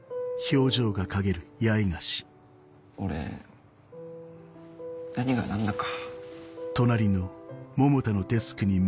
俺何が何だか。